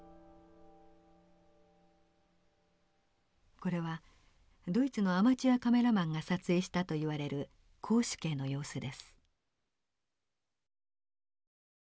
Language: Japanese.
これはドイツのアマチュアカメラマンが撮影したといわれる絞首刑の様子です。